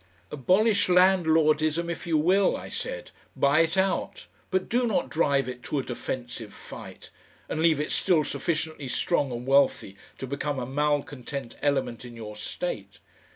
Abolish landlordism if you will, I said, buy it out, but do not drive it to a defensive fight, and leave it still sufficiently strong and wealthy to become a malcontent element in your state.